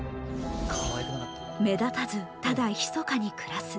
目立たずただひそかに暮らす。